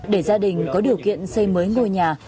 để gia đình có điều kiện xây mới ngôi nhà